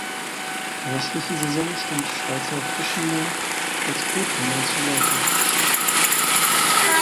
Die restliche Saison stand Schweizer Fischinger als Co-Trainer zur Seite.